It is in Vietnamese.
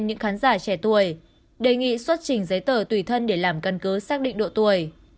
những khán giả trẻ tuổi đề nghị xuất trình giấy tờ tùy thân để làm căn cứ xác định độ tuổi